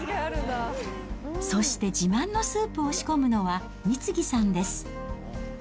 そして自慢のスープを仕込むのは美次さんです。